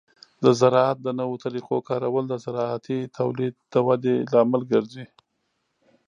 د زراعت د نوو طریقو کارول د زراعتي تولید د ودې لامل ګرځي.